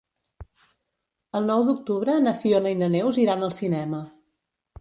El nou d'octubre na Fiona i na Neus iran al cinema.